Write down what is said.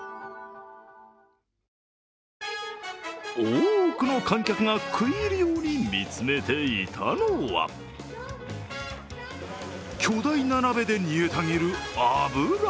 多くの観客が食い入るように見つめていたのは巨大な鍋で煮えたぎる油。